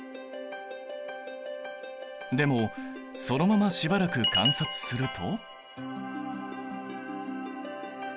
でもそのまましばらく観察すると。